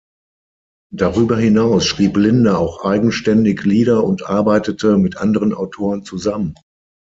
Darüber hinaus schrieb Linda auch eigenständig Lieder und arbeitete mit anderen Autoren zusammen.